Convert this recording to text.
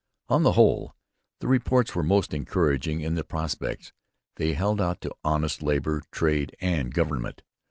On the whole, the reports were most encouraging in the prospects they held out to honest labour, trade, and government.